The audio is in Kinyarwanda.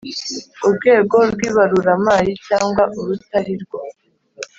Urwego rw’ibaruramari cyangwa urutarirwo